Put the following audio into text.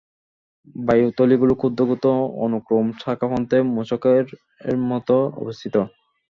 বায়ুথলিগুলো ক্ষুদ্র ক্ষুদ্র অনুক্লোম শাখাপ্রান্তে মৌচাকের মত অবস্থিত।